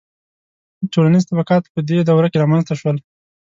• ټولنیز طبقات په دې دوره کې رامنځته شول.